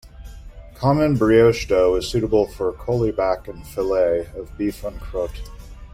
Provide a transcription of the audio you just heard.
Common brioche dough is suitable for coulibiac and fillet of beef en croute.